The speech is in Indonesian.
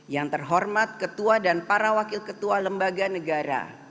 yang terhormat ketua dan para wakil ketua lembaga negara